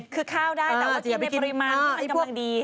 คือข้าวได้แต่ว่าจะมีปริมาณที่มันกำลังดี